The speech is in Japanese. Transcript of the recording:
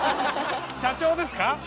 社長ですか？